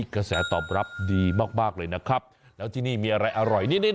กระแสตอบรับดีมากเลยนะครับแล้วที่นี่มีอะไรอร่อยนิด